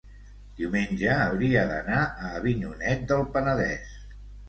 diumenge hauria d'anar a Avinyonet del Penedès.